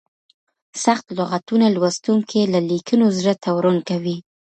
سخت لغتونه لوستونکي له لیکنو زړه تورن کوي.